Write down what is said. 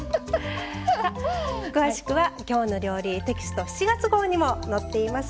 さあ詳しくは「きょうの料理」テキスト７月号にも載っています。